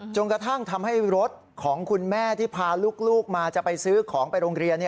กระทั่งทำให้รถของคุณแม่ที่พาลูกมาจะไปซื้อของไปโรงเรียน